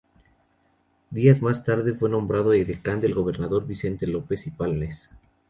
Días más tarde fue nombrado edecán del gobernador Vicente López y Planes.